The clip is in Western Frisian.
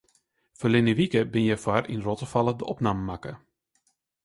Ferline wike binne hjirfoar yn Rottefalle de opnamen makke.